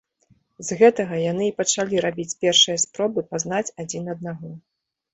З гэтага яны і пачалі рабіць першыя спробы пазнаць адзін аднаго.